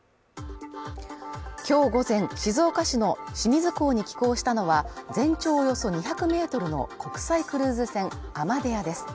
今日午前静岡市の清水港に寄港したのは全長およそ２００ｍの国際クルーズ船「アマデア」です。